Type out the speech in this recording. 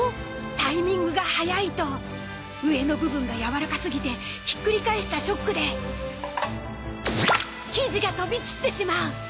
タイミングが早いと上の部分がやわらかすぎてひっくり返したショックで生地が飛び散ってしまう！